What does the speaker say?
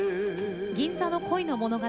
「銀座の恋の物語」